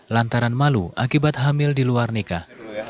lantaran malu akibat hamil di luar nikah